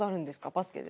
バスケで。